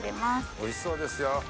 おいしそうですよ。